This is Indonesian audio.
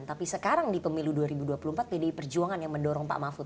tapi sekarang di pemilu dua ribu dua puluh empat pdi perjuangan yang mendorong pak mahfud